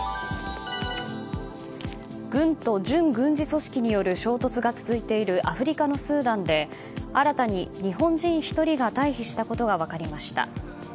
軍と準軍事組織による衝突が続いているアフリカのスーダンで新たに日本人１人が退避したことが分かりました。